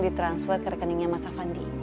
di transfer ke rekeningnya mas afandi